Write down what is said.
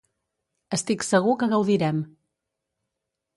Estic segur que gaudirem.